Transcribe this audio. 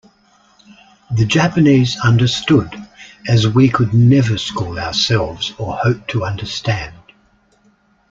The Japanese understood as we could never school ourselves or hope to understand.